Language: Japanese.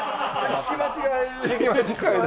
聞き間違いか。